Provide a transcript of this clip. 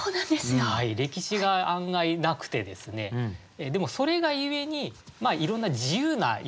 歴史が案外なくてですねでもそれがゆえにいろんな自由な詠み口ができる。